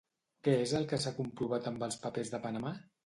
Què és el que s'ha comprovat amb els papers de Panamà?